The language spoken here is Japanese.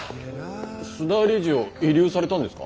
須田理事を慰留されたんですか？